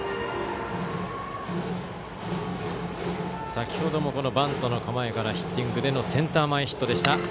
先程もバントの構えからヒッティングでのセンター前ヒットでした。